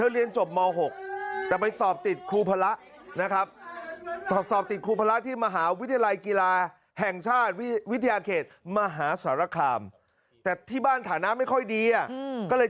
เรียนจบม๖แต่ไปสอบติดครูพระนะครับสอบติดครูพระที่มหาวิทยาลัยกีฬาแห่งชาติวิทยาเขตมหาสารคามแต่ที่บ้านฐานะไม่ค่อยดีอ่ะก็เลย